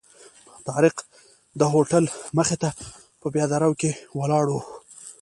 طارق د هوټل مخې ته په پیاده رو کې ولاړ و.